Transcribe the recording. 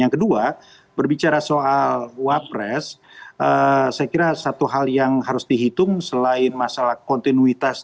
yang kedua berbicara soal wapres saya kira satu hal yang harus dihitung selain masalah kontinuitas